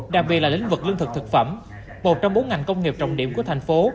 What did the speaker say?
đặc biệt là lĩnh vực lương thực thực phẩm một trong bốn ngành công nghiệp trọng điểm của thành phố